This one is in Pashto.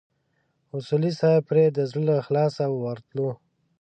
اصولي صیب پرې د زړه له اخلاصه ورتلو.